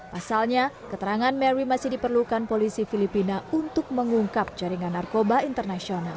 pasalnya keterangan mary masih diperlukan polisi filipina untuk mengungkap jaringan narkoba internasional